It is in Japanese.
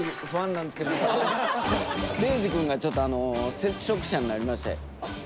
礼二君がちょっと接触者になりまして。